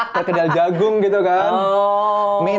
perkedel jagung gitu kan